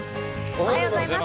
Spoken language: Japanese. おはようございます。